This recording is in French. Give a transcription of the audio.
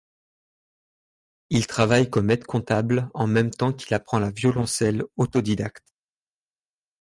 Il travaille comme aide-comptable en même temps qu'il apprend le violoncelle en autodidacte.